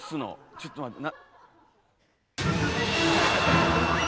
ちょっと待ってな。